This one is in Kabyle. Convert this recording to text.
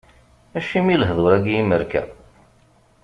Acimi lehdur-agi imerka?